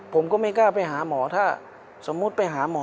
ผมก็ไม่กล้าไปหาหมอถ้าสมมุติไปหาหมอ